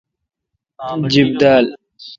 جِیب دال۔